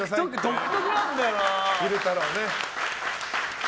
独特なんだよな。